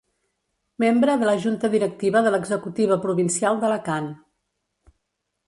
Membre de la junta directiva de l'executiva provincial d'Alacant.